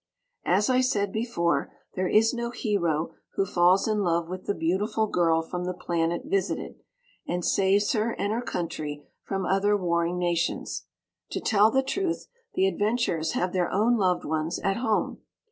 As I said before, there is no hero who falls in love with the beautiful girl from the planet visited, and saves her and her country from other warring nations. To tell the truth, the adventurers have their own loved ones at home.